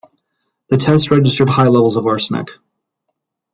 The test registered high levels of arsenic.